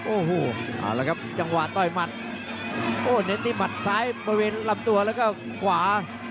โอ้โหจังหวะต้อยมัดโอ้นี่มัดซ้ายประเวทร่ำตัวแล้วก็ขวา